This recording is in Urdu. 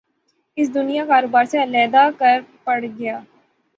اس دنیا کاروبار سے علیحدہ کر پڑ گا